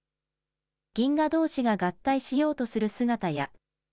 銀河どうしが合体しようとする姿や。